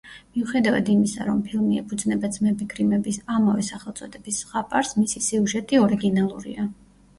მიუხედავად იმისა, რომ ფილმი ეფუძნება ძმები გრიმების ამავე სახელწოდების ზღაპარს, მისი სიუჟეტი ორიგინალურია.